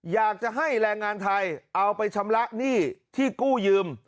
อยากจะให้แรงงานไทยเอาไปชำระหนี้ที่กู้ยืม